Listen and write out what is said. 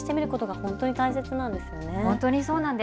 本当にそうなんです。